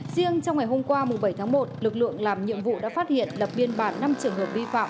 riêng trong ngày hôm qua bảy tháng một lực lượng làm nhiệm vụ đã phát hiện lập biên bản năm trường hợp vi phạm